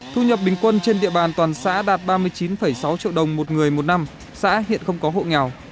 thu nhập bình quân trên địa bàn toàn xã đạt ba mươi chín sáu triệu đồng một người một năm xã hiện không có hộ nghèo